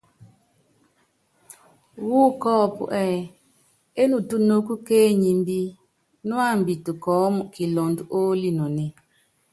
Wú kɔ́ɔ́pú ɛ́ɛ́: Enutúnúkú ké enyimbí, nuámbitɛ kɔɔ́mu kilɔndɔ oolinonée.